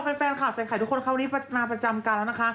สำหรับแฟนขาดใส่ไข่ทุกคนเขาวันนี้มาประจำกันแล้วนะคะ